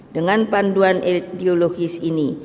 dengan panduan ideologis ini